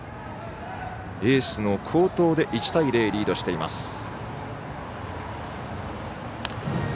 エースの好投で１対０とリードしています。